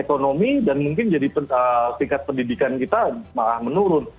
ekonomi dan mungkin jadi tingkat pendidikan kita malah menurun